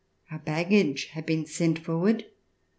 Our baggage had been sent forward.